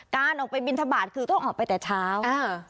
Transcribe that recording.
การออกไปบินทบาทคือต้องออกไปแต่เช้าอ่า